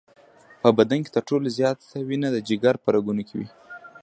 په بدن کې تر ټولو زیاته وینه د جگر په رګونو کې وي.